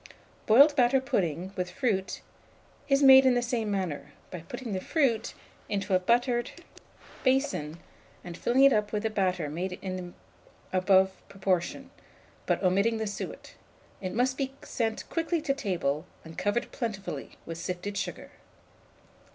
Boiled batter pudding, with fruit, is made in the same manner, by putting the fruit into a buttered basin, and filling it up with batter made in the above proportion, but omitting the suet. It must be sent quickly to table, and covered plentifully with sifted sugar.